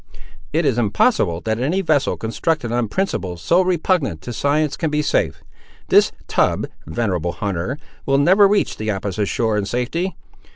"It is impossible that any vessel constructed on principles so repugnant to science can be safe. This tub, venerable hunter, will never reach the opposite shore in safety."